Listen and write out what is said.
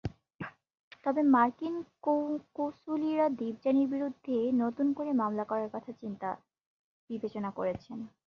তবে মার্কিন কৌঁসুলিরা দেবযানীর বিরুদ্ধে নতুন করে মামলা করার কথা বিবেচনা করছেন।